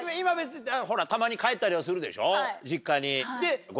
たまに帰ったりはするでしょ？実家に。